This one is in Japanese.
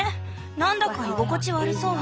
何だか居心地悪そう。